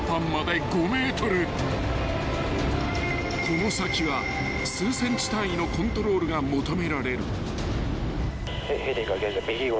［この先は数ｃｍ単位のコントロールが求められる］